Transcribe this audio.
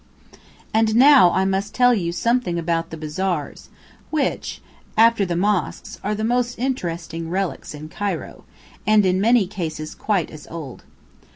And now I must tell you something about the bazaars, which, after the mosques, are the most interesting relics in Cairo, and in many cases quite as old.